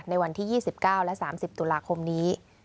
ในวันที่๒๙และ๓๐ตุลาคมนี้